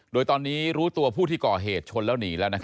โดยตอนนี้รู้ตัวผู้ที่ก่อเหตุชนแล้วหนีแล้ว